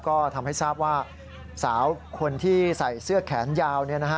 ก็ทำให้ทราบว่าสาวคนที่ใส่เสื้อแขนยาว